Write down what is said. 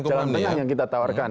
jalan tengah yang kita tawarkan